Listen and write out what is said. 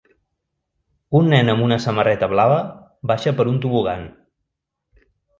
Un nen amb una samarreta blava baixa per un tobogan.